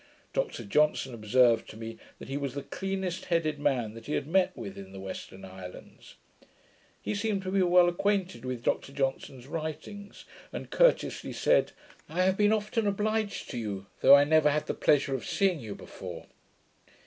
Dr Johnson observed to me, that he was the cleanest headed man that he had met in the Western islands. He seemed to be well acquainted with Dr Johnson's writings, and courteously said, 'I have been often obliged to you, though I never had the pleasure of seeing you before.'